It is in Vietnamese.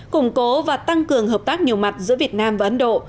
củng cố và tăng cường hợp tác nhiều mặt giữa việt nam và ấn độ